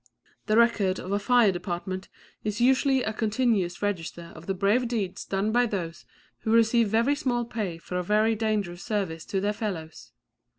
The record of a fire department is usually a continuous register of the brave deeds done by those who receive very small pay for a very dangerous service to their fellows.